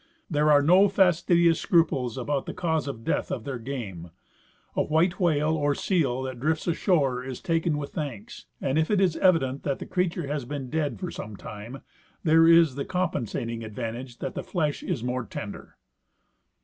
There are no fastidious scruples about the cause of the death of their game A white Avhale or seal that drifts ashore is taken with thanks, and if it is evident that the creature has been dead for some time there is the compensating advantage that the flesh is more tender.